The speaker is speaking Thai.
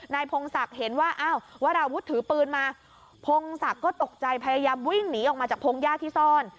พงศักดิ์เห็นว่าอ้าววราวุฒิถือปืนมาพงศักดิ์ก็ตกใจพยายามวิ่งหนีออกมาจากพงหญ้าที่ซ่อน